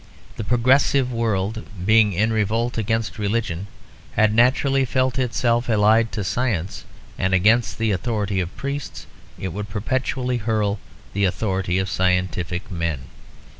The "progressive" world being in revolt against religion had naturally felt itself allied to science; and against the authority of priests it would perpetually hurl the authority of scientific men.